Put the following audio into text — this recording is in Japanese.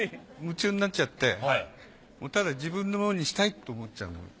夢中になっちゃってただ自分のものにしたいって思っちゃうの。